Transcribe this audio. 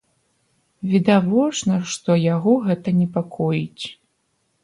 Відавочна, што яго гэта непакоіць.